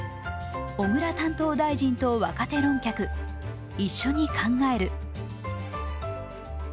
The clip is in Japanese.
小倉担当大臣と若手論客一緒に考える。